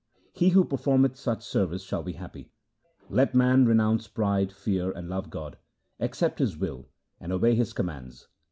He who performeth such service shall be happy. Let man renounce pride, fear and love God, accept His will, and obey His commands.